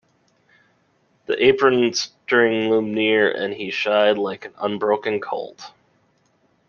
The apron string loomed near and he shied like an unbroken colt.